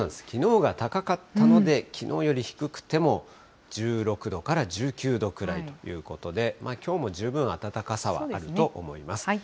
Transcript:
きのうが高かったので、きのうより低くても１６度から１９度くらいということで、きょうも十分暖かさはあると思います。